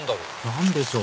何でしょう？